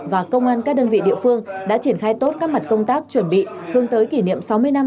và công an các đơn vị địa phương đã triển khai tốt các mặt công tác chuẩn bị hướng tới kỷ niệm sáu mươi năm